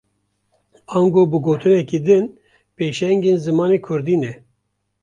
Ango bi gotineke din, pêşengên zimanê Kurdî ne